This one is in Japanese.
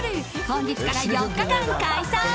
本日から４日間開催。